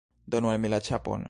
Donu al mi la ĉapon!